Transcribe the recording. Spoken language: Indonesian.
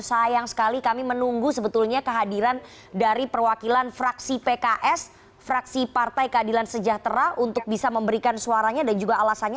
sayang sekali kami menunggu sebetulnya kehadiran dari perwakilan fraksi pks fraksi partai keadilan sejahtera untuk bisa memberikan suaranya dan juga alasannya